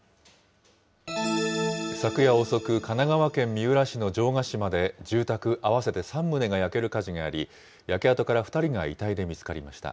昨夜遅く、神奈川県三浦市の城ヶ島で住宅合わせて３棟が焼ける火事があり、焼け跡から２人が遺体で見つかりました。